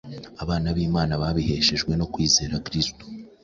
abana b’Imana babiheshejwe no kwizera Kristo.”